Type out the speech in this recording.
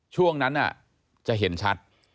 ช่วงนั้นจะเห็นชัด